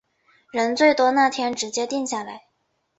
人最多那天直接定下来